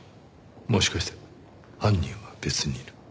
もしかして犯人は別にいる。